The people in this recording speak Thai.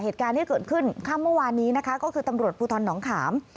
เหตุการณ์ที่เกิดขึ้นค่ำเมื่อวานนี้นะคะก็คือตำรวจภูทรหนองขาม